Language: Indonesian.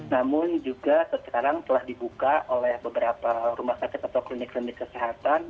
namun juga sekarang telah dibuka oleh beberapa rumah sakit atau klinik klinik kesehatan